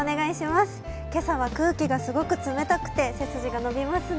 今朝は空気がすごく冷たくて背筋が伸びますね。